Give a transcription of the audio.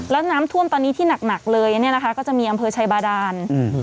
และน้ำท่วมตอนนี้ที่หนักเลยก็จะมีอำเภอชัยบาดาล